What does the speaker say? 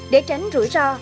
để tránh rủi ro